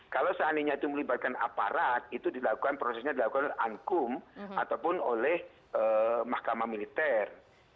kalau seandainya itu melibatkan aparat itu dilakukan prosesnya dilakukan oleh ankum ataupun oleh mahkamah militer